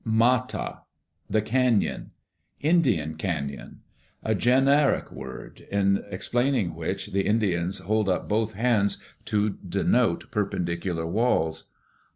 "Ma' ta (the canon), Indian canon. A generic word, in explaining which the Indians hold up both hands to denote perpendicular walls.